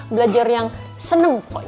belajar yang seneng pokoknya